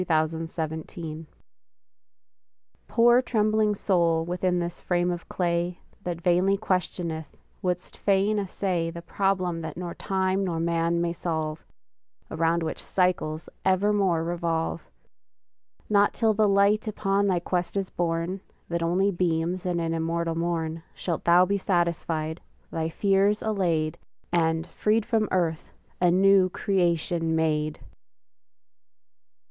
LINES ON IMMORTALITY Poor trembling soul within this frame of clay, That vainly questioneth, wouldst fain essay The problem that nor time nor man may solve, Around which cycles evermore revolve! Not till the light upon thy quest is born, That only beams in an immortal morn, Shalt thou be satisfied, thy fears allayed, And, freed from earth, a new creation made!